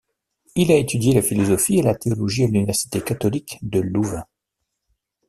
Il a étudié la philosophie et la théologie à l'université catholique de Louvain.